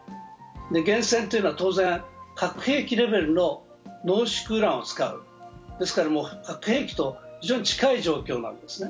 原潜というのは核兵器レベルの濃縮ウランを使う、ですから、もう核兵器と非常に近い状況なんですね。